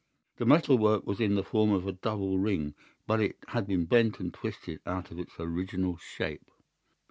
The metal work was in the form of a double ring, but it had been bent and twisted out of its original shape.